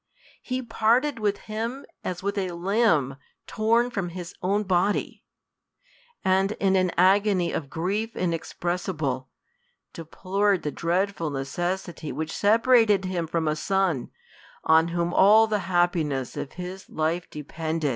He parted with him as with a limb torn from his own body ; and in an agony of grief inexpressible, deplored the dreadful necessity which separated him from a son, on whom all the happiness of bis life de pended.